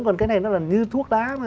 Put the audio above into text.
còn cái này nó là như thuốc đá